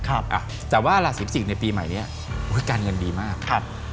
แต่ว่าราศีพิจิกในปีใหม่เนี่ยการเงินดีมาก